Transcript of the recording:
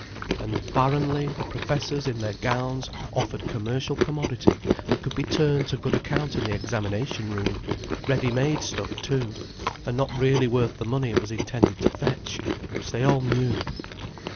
And barrenly, the professors in their gowns offered commercial commodity that could be turned to good account in the examination room; ready made stuff too, and not really worth the money it was intended to fetch; which they all knew.